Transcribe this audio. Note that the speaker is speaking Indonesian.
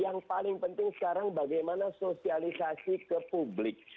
yang paling penting sekarang bagaimana sosialisasi ke publik